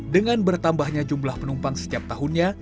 dengan bertambahnya jumlah penumpang setiap tahunnya